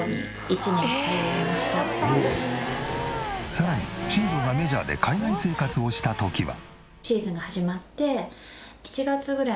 さらに新庄がメジャーで海外生活をした時は。